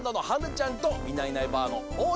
ちゃんと「いないいないばあっ！」のおう